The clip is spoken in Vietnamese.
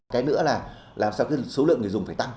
cái nữa là làm sao số lượng người dùng phải tăng